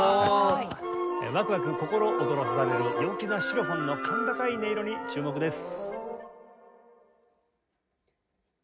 ワクワク心躍らされる陽気なシロフォンの甲高い音色に注目です。